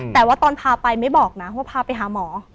แต่ว่าตอนพาไปไม่บอกนะว่าพาไปหาหมอ